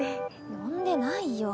呼んでないよ。